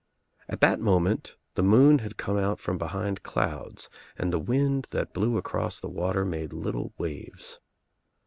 At that moment the moon had come out from behind clouds and the wind that blew across the water made little waves.